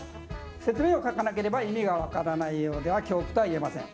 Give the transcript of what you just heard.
説明を書かなければ意味が分からないようでは狂句とは言えません。